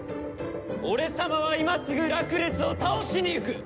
俺様は今すぐラクレスを倒しに行く！